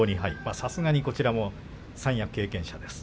さすがにこちらも三役経験者です。